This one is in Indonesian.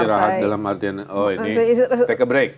istirahat dalam artian oh ini take a break